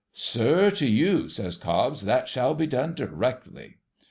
' Sir, to you,' says Cobbs, ' that shall be done directly.'